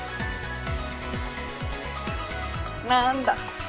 なんだ。